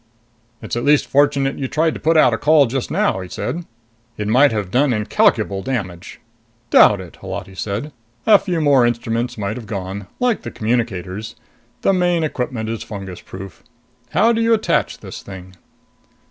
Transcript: "It's at least fortunate you tried to put out a call just now," he said. "It might have done incalculable damage." "Doubt it," said Holati. "A few more instruments might have gone. Like the communicators. The main equipment is fungus proof. How do you attach this thing?"